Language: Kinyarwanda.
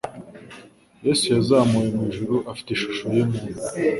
Yesu yazamuwe mu ijuru afite ishusho y'umuntu.